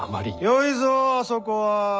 よいぞあそこは。